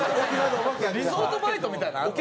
リゾートバイトみたいのあんの？